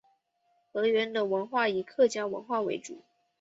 河源的文化以客家文化为主。